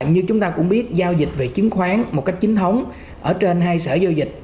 như chúng ta cũng biết giao dịch về chứng khoán một cách chính thống ở trên hai sở giao dịch